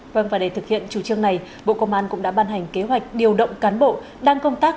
vâng và để thực hiện chủ trương này bộ công an cũng đã ban hành kế hoạch điều động cán bộ đang công tác